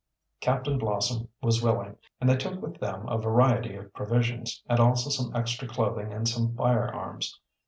Captain Blossom was willing, and they took with them a variety of provisions and also some extra clothing and some firearms.